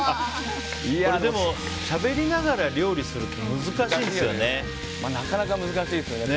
でも、しゃべりながら料理するってなかなか難しいですね。